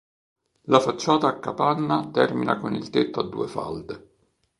La facciata a capanna termina con il tetto a due falde.